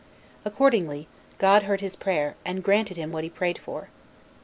Accordingly, God heard his prayer, and granted him what he prayed for.